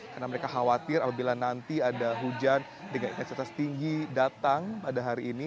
karena mereka khawatir apabila nanti ada hujan dengan ekspresi tinggi datang pada hari ini